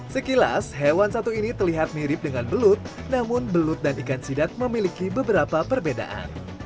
sekilas hewan satu ini terlihat mirip dengan belut namun belut dan ikan sidat memiliki beberapa perbedaan